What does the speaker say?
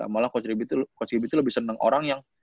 malah coach gibi tuh lebih seneng orang yang